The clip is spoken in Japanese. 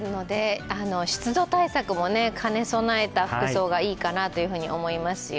湿度対策も兼ね備えた服装がいいかなと思いますよ。